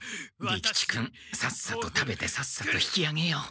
利吉君さっさと食べてさっさと引きあげよう。